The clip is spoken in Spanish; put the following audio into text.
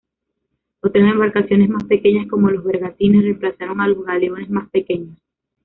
Otras embarcaciones más pequeñas como los bergantines reemplazaron a los galeones más pequeños.